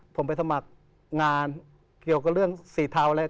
ผมไปสมัครงานเกี่ยวกับเรื่องสีเทาอะไร